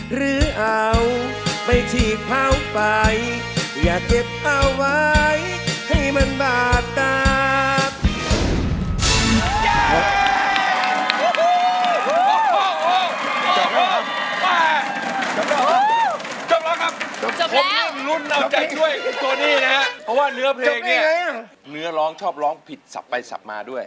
หรืออาจจะเสียเมฆไว้มีคุณขอต้องซ่อนคำช้า